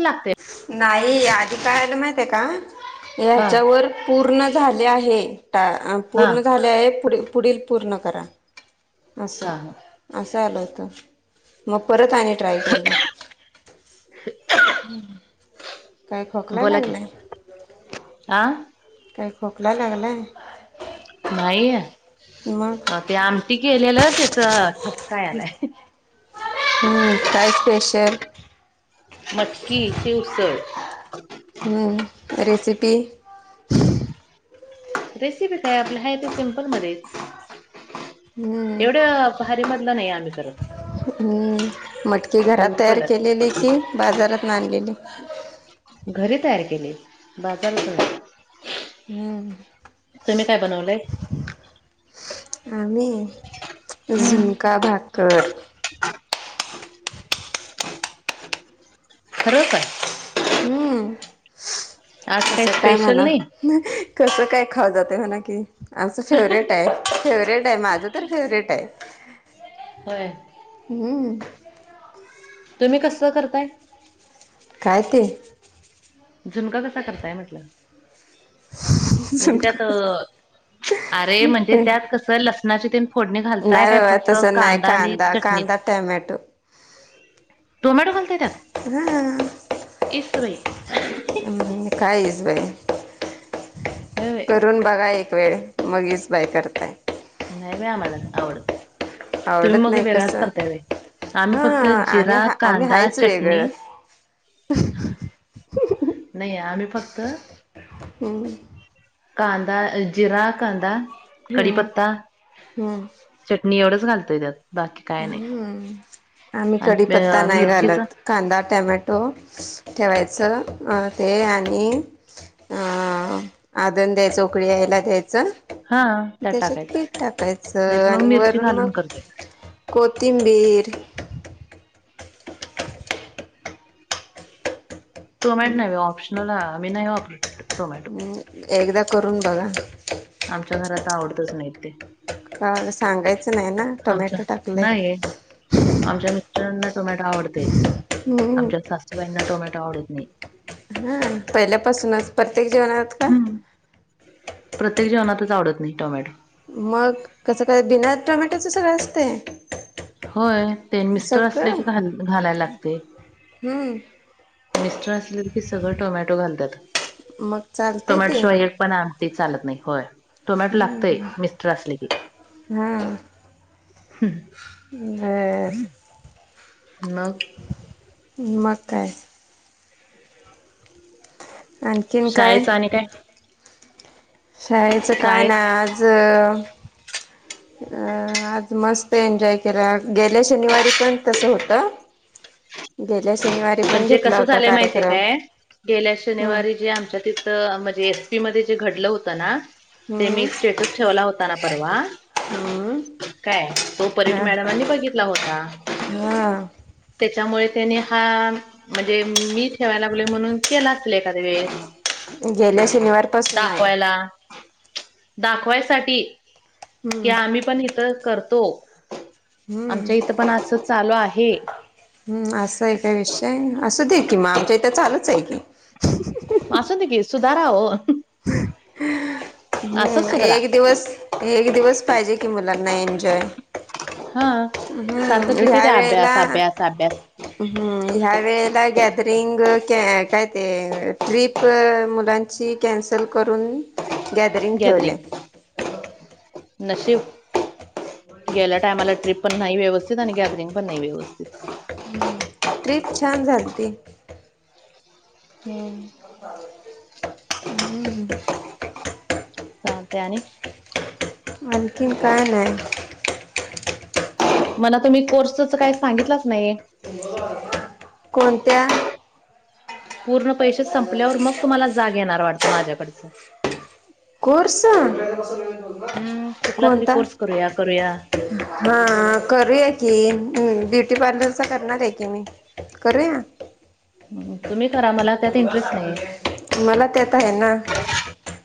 लागते नाही आधी काय आलं माहिते का हा याच्यावर पूर्ण झाले आहे, टा- हा पूर्ण झाले आहे पुढे पुढील पूर्ण करा. असं हा हा असं आलं होतं, मग परत आणि ट्राय केला. [unintelligible] काय खोकला बोला की लागलाय? आ काय खोकला लागलाय? नाहीय. मग. ते आमटी केलेलं त्याच ठसका यालाय. हम्म! काय स्पेशल? मटकी ची उसळ. हम रेसिपी. रेसिपी काय आपल् हाय ते सिम्पल मध्येच. हम्म एवढ भारीमधलं नाही आम्ही करत. मटकी घरात तयार सिम्पलच केलेली की बाजारात आणलेली. घरी तयार केले बाजार हम तुम्ही काय बनवलंय. आम्ही हम्म झुणका भाकर. खरं काय. हम्म आज काही तस काय स्पेशल म्हणा. नाही कसं काय खाव जाते म्हणा की. आमचं फेवर्हेट आहे फेवरेट आहे माझं तर फेवर्हेट आहे. होय. हम्म. तुम्ही कसं करताय? काय ते? झुनका कसा करताय म्हटलं? [unintelligible] म्हणजे त्यात अ अरे म्हणजे त्यात कसं लसणाची तीन फोडणी घालताय नाही काय बाबा फक्त तसं नाही कांदा आणि च कांदा टॅमॅटो. टोमॅटो घालते त्या हा इस बाई. हम् कायस भाई. व्हय-य. करून बघा एक वेळ मग इस बाय करताय. नाही बाई आम्हाला आवडत तुम्ही आवडत मग नाही निरच कसं करताय व्हय. आम्ही हा फक्त आम्ही जिरा आम्ही कांदा हायच चटणी. वेगळं [inaudible] नाही आम्ही फक्त. हम्म कांदा जिरा कांदा हम्म कढीपत्ता. हम्म चटणी एवढंच घालतोय त्यात. बाकी काय नाही. हम्म आम्ही आणि कडीपत्ता नाही मिरचीच घालत. कांदा टॅमॅटो ठेवायचं ते आणि, आ आदन द्यायचं उकळी यायला द्यायचं. हा त्यात त्याच्यात टाकायच. पीठ नाहीत टाकायचं मग आणि मिरची वरून घालून मग. करतोय. कोथिंबीर. तूमहीट नाही ऑप्शनल आहे आमी नाही ऑपर. हम्म एकदा करून बघा. आमच्या घरात आवडतच नाहीत ते. का सांगायचं नाही ना आमच्या टोमॅटो टाकले. नाही आमच्या मिस्रांना टोमॅटो आवडत हम्म आमच्या सासूबाईंना टोमॅटो आवडत नाही. हा पहिल्यापासूनच प्रत्येक जेवणात. का प्रत्येक जेवणतच आवडत नाही टोमॅटो. मग कसं काय बिना टोमॅटोच सगळं असतय. होय ते मिस्टर असले की घा घालायला लागतय. हम्म मिस्टर असले की सगळं टोमॅटो घालतात मग चालतंय टोमॅटो ते शिवाय एक. पण आमटीत चालत नाही होय. टोमॅटो लागतोय मिस्टर असले की. हा बर! मग मग काय? आणकीन काय? शाळेच आणि शाळेचं काय नाय शाळेत आज अ आज मस्त एन्जॉय केला गेल्या शनिवारी पण तस होतं. [inaudible] शनिवारी पण म्हणजे घेतला कस होता झालंय माहिती हाय कार्यक्रम काय गेल्या हम्म शनिवारी जे आमच्या ती थ म्हणजे एस टी मध्ये जे घडलं होतं ना ते हम्म मी स्टेटस ठेवला होता ना परवा. हम्म काय तो परीठ हा मॅडमांनी बघितला होता. हा त्याच्यामुळे त्यानी हा म्हणजे मी ठेवाय लागलोय म्हणून केला असेल एखाद्या वेळेस. गेल्या शनिवारपसून हाय. दाखवायला दाखवायसाठी कि आम्ही पण इथं करतो हम्म आमच्या इथं पण असं चालू आहे. हम् असा आहे काय विषय असु दे कि मग आमच्या इथ चालूच हाय की. मग असुदे की सुधारा ओ. [inaudible] हम्म सुधरा एक दिवस एक दिवस पाहिजे कि मुलांना एन्जॉय. हा सारखं हम्म किती ते ह्या वेळेला अभ्यास अभ्यास अभ्यास! हम्म ह्या वेळेला गॅदरिंग काय ते ट्रीप प मुलांची कॅन्सल करून गॅदरिंग नशिब गेल्या टायमाला ट्रिप पण नाही व्यवस्थित आणि गॅदरिंग पण नाही व्यवस्थित. हम्म ट्रिप छान झालती. [unintelligible] हम्म! चालतंय आणि? आणकीन काय नाय. मला तुम्ही कोर्सच काही सांगितलंच नाही. कोणत्या? पूर्ण पैसे संपल्यावर मग तुम्हाला जाग येणार वाटतं माझ्याकडचं. कोर्स कुठला तरी कोणता? कोर्स करूया करूया हा करूया की ब्युटी पार्लरचा करणार आहे की मी. करूया? तुम्ही करा मला त्यात इंटरेस्ट नाही. मला त्यात आहे ना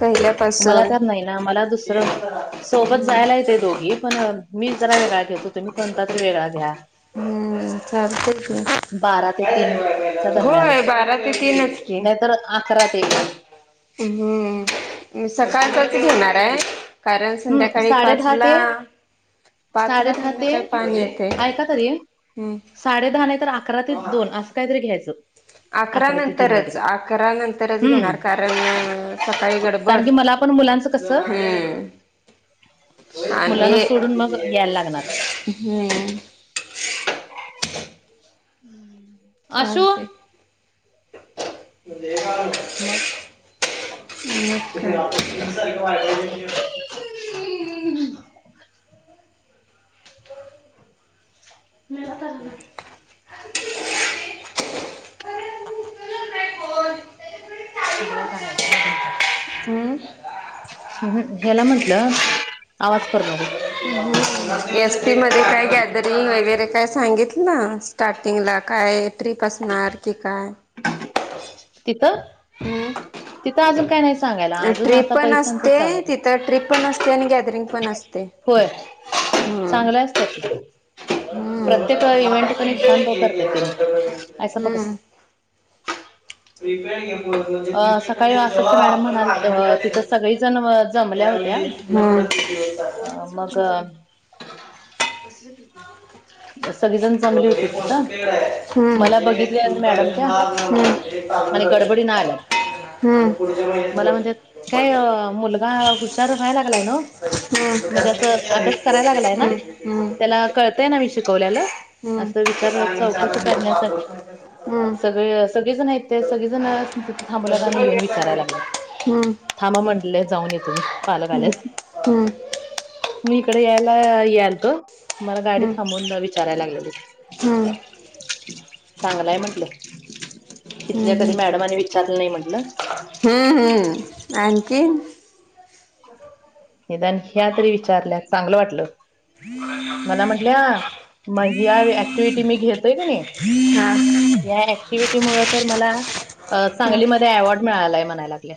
पहिल्या मला त्यात नाही ना मला दुस हम्म! दोघी पण मी जरा वेगळा घेतो तुमी कोणता तरी वेगळा घ्या. हम्म चालतंय की. बारा ते तीनच्या होय बारा ते तीनच की. तर अकरा ते हम्म सकाळचाच घेणाराय. कारण हम्म संध्याकाळी साडे दहा पाचला ते साडे पाचला दहा ते संध्याकाळी पाणी येतंय. ऐका तरी साडे दहा नाय तर अकरा ते दोन असं काय तरी घ्यायचं. अकरा ते तीन नंतरच वगैरे अकरा नंतरच हम्म घेणार कारण सकाळी कारण की गडबड. मला पण मुलांचं कसं हम्म आणि मुलांना सोडून मग यायला लागणार हम्म! चाल आशू ते [unintelligible] मग? हम् [unintelligible] म तर हम् कारय का आहे बणत हम्म म् ह्याला म्हंटलं आवाज करू नको एस पी मध्ये काय गॅदरिंग वगैरे काय सांगित ना स्टार्टिंगला काय? कत्रीपसणार की काय? तिथं हम्म. तिथं अजून काय नाही सांगायला अजून आता परीक्षांच चालूयल. ट्रीप पण असते आणि गॅदरिंग पण असते. होय हम्म. चांगलं असतय. हम्म. प्रत्येक हम्म इव्हेंट क छान प करते तेनी, आयस पकड. [unintelligible] ण अ क्रेट सकाळी म्हणजे जव आसाच्या मॅडम म्हणाल आपण तिथं सगळीजण जमल्या होत्या त्यावे हम मग [unintelligible] सगळीजण जमली हे होती तिथ पोस्टपेड आहे मला म्हणजे बघित तू मॅडम पहिले त्या मार नंबर हे चालू आणि गडबडी राहते. नाही आल्या. हम्म मला म्हणतात काय मुलगा हुशार व्हायला लागलाय नव? म्हणजे अस अभ्यास करायला लागलाय ना? हम्म. हम्म. त्याला कळतय ना मी शिकवल्यालं? असं विचार चौकशी करण्यासाठी हम्म. हम्म. सगळे सगळेजण यथे सगळेजण तिथे थांबवलात आणि कस्टमर येऊन केअरला विचारायला लागलं. हम्म. थांबा म्हंडले जाऊन येतो मी पालक आल्यात हम्म. मी इकडे यायला यायल तो मला गाडी हम्म. थांबवून विचारायला लागलेलीत. हम्म. चांगलाय म्हंटलं हम्म. तथल्या कधी मॅडमनी चाल नाही म्हटलं. हम हम, आणखी? निदान ह्या तरी विचारल्यास चांगलं वाटलं. मला म्हटल्या म ऍक्टिव्हटी मी घेतय का नाही. हा या ऍक्टिव्हटी मुळ तर मला हा. सांगलीमध्ये अवॉर्ड मिळालाय म्हणायला लागल्या.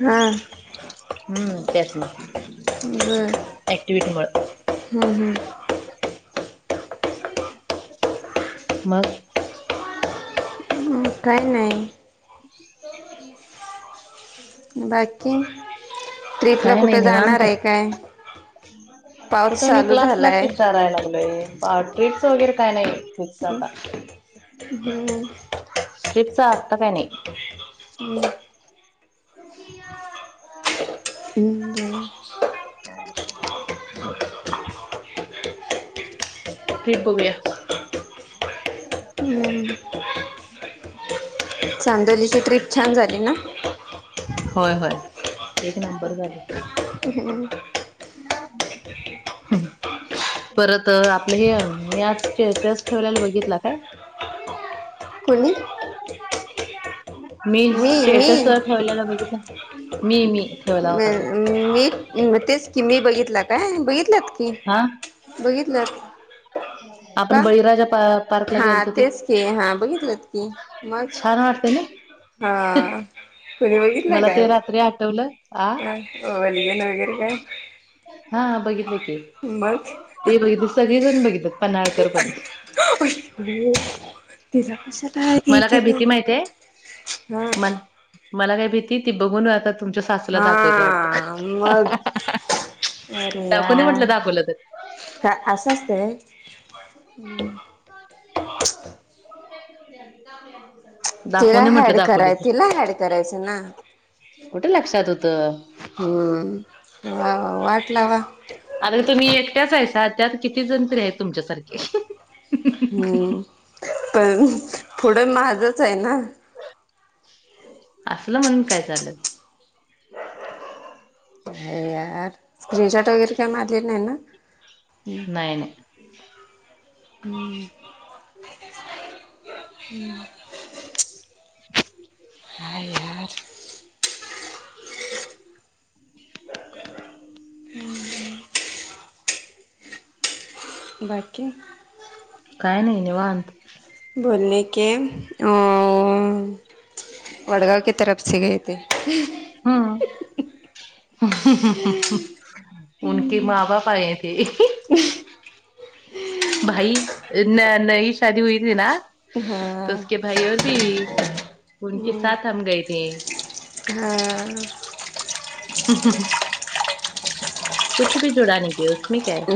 हा हम्म त्याच नाही बर ऍक्टिविटीमुळे हम्म हम्म मग? [unintelligible] काय नाही. [unintelligible] बाकी, ट्रिपला काय नाही कुठे जाणार निवांत आहे काय? पाऊस कुठं मी चालू क्लासलाच झालाय विचारायला लागलोय. ट्रीटस वगैरे काय नाही फकिस आता. हम्म. टरिपच आत्ता काय नाही हो [unintelligible] हम्म्म [unintelligible] रिप बया [unintelligible] चांदलीची ट्रीप छान झाली ना? होय होय एक नंबर झाली. त [inaudible] हम् परत आपलं हे मी आज स्टेटस ठेवलेला बघितला काय? कुणी? मी स्टेटस मी ठेवलेलं मी मी ठेवला होता तो. मी मी तेच की मी बघितला काय बघितलंत की हा बघितला. आपण का बळीराजा पा पार्कला हा गेलतो ते. तेच की हा बघितलं. मग छान वाटते ना हा व्हिडिओ बघितलं काय? तरी आठवलं हा. [unintelligible] वगैरे काय हा बघितलं की. मग ते बघित सगळेजण बघितल पनळकर पण. तिचा कशाला हे मला काय केलं. भीती माहितीये मला मला काय भीती ती बघून राहात हां मग अरे दाखवून यार. म्हटलं दाखवलं तर का असं असंत व्हय. क [unintelligible] तिला हॅड कराय तिला हॅड करायचं ना. कुठं लक्षात होतं. हम्म वा वा वाट लावा. अर तुम्ही एकट्याच आहेसा त्यात किती जण तर आहेत तुमच्यासारखे. हम्म पण पुढं माझच आहे ना. असलं म्हणून मी काय झाल. अरे यार स्क्रीनशॉट वगैरे काय मारले नाही ना? नाही नाही हम् हम् ह [inaudible] काय यार. [inaudible] हम्म हम्म बाकी काय नाही निवांत. बोलणे के अ वडगाव के तरफसे गये. ते [inaudible] हा उनके मां बाप आये थे. भाई न नई शादी होई थी ना हाँ तरसक भाई और भी उनके साथ हम गये थे हम्म [inaudible] कुछ भी जुडा नि इसमे क्या है.